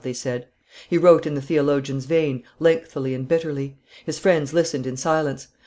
they said. He wrote in the theologian's vein, lengthily and bitterly; his friends listened in silence.